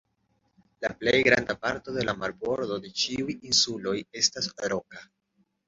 La plej granda parto de la marbordo de ĉiuj insuloj estas roka.